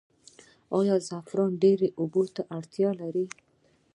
آیا زعفران ډیرې اوبو ته اړتیا لري؟